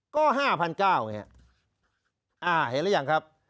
ก็๕๙๐๐ไงเห็นหรือยังครับ